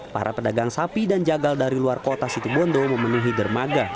para pedagang sapi dan jagal dari luar kota situbondo memenuhi dermaga